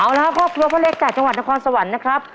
เอาละครับครอบครัวพ่อเล็กจากจังหวัดนครสวรรค์นะครับ